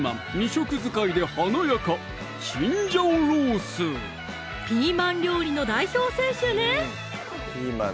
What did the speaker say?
色使いで華やかピーマン料理の代表選手ね！